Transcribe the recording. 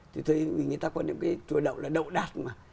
thì thấy người ta có những cái chùa đậu là đậu đạt mà